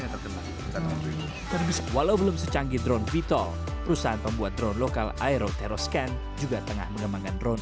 perusahaan pembuat drone lokal aerotheroscan juga tengah menemangkan drone